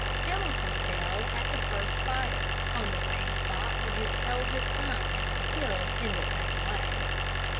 Hamilton fell at the first fire, on the same spot where his eldest son had been killed in the same way.